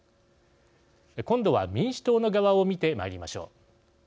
今度は民主党の側を見てまいりましょう。